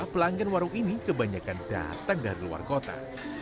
pelanggan warung ini kebanyakan datang dari luar kota